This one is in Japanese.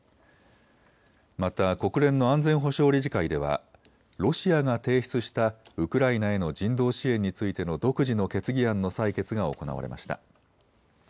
また国連の安全保障理事会ではロシアが提出したウクライナへの人道支援についての独自の決議案の採決が行われました。